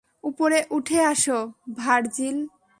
উপরে উঠে আসো, ভার্জিল।